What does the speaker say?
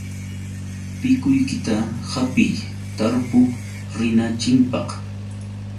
Pikuykita hapiy, tarpuq rinanchikpaq.